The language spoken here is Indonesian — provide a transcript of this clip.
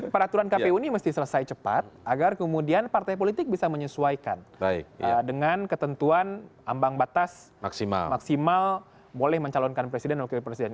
peraturan kpu ini mesti selesai cepat agar kemudian partai politik bisa menyesuaikan dengan ketentuan ambang batas maksimal boleh mencalonkan presiden dan wakil presiden